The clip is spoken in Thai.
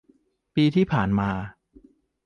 ปีที่ผ่านมา